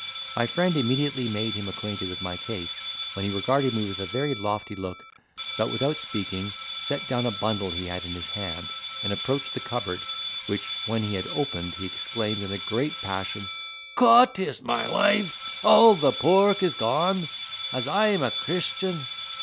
My friend immediately made him acquainted with my case; when he regarded me with a very lofty look, but without speaking, set down a bundle he had in his hand, and approached the cupboard, which, when he had opened, he exclaimed in a great passion, "Cot is my life, all the pork is gone, as I am a Christian!"